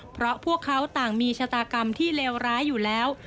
เพราะพวกเขาต่างมีชะตากรรมที่เลวร้ายอยู่แล้ว